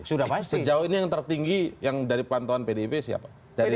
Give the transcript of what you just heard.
sejauh ini yang tertinggi yang dari pantauan pdip siapa